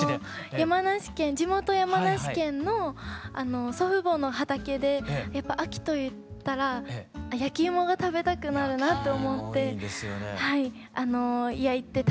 地元山梨県の祖父母の畑でやっぱ秋といったら焼き芋が食べたくなるなと思って焼いて食べてました。